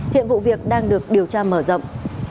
hiện vụ việc đang được điều tra mở rộng